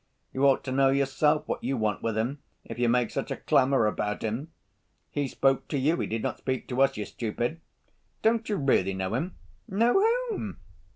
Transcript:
"You ought to know yourself what you want with him, if you make such a clamor about him. He spoke to you, he did not speak to us, you stupid. Don't you really know him?" "Know whom?"